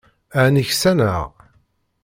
Aεni ksaneɣ?